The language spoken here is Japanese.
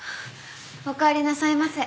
おかえりなさいませ。